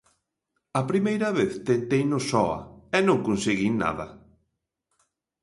A primeira vez tenteino soa, e non conseguín nada.